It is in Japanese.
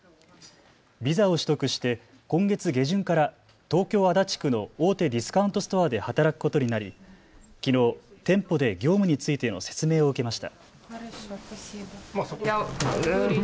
ビザを取得して今月下旬から東京足立区の大手ディスカウントストアで働くことになりきのう店舗で業務についての説明を受けました。